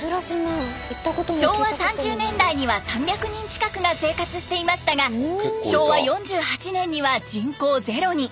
昭和３０年代には３００人近くが生活していましたが昭和４８年には人口０に。